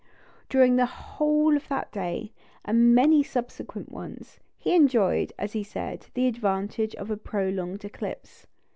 During the whole of that day and many subsequent ones, he enjoyed, as he said, the advantage of a prolonged eclipse.